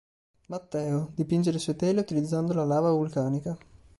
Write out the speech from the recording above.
Matteo, dipinge le sue tele utilizzando la lava vulcanica.